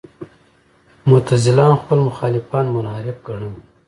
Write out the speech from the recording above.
معتزله هم خپل مخالفان منحرف ګڼل.